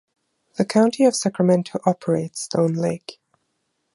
The County of Sacramento operates Stone Lake.